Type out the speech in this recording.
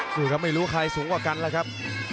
ดูครับไม่รู้ใครสูงกว่ากันแล้วครับ